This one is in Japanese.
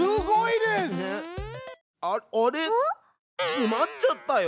つまっちゃったよ！